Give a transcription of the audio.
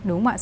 đúng không ạ